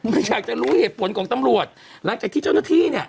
ไม่อยากจะรู้เหตุผลของตำรวจหลังจากที่เจ้าหน้าที่เนี่ย